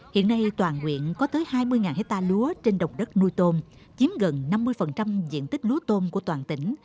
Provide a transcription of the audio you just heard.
hiện nay toàn quyện có tới hai mươi hectare lúa trên đồng đất nuôi tôm chiếm gần năm mươi diện tích lúa tôm của toàn tỉnh